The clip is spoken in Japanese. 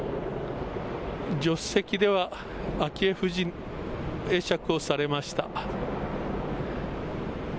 助手席では、昭恵夫人会釈をされました。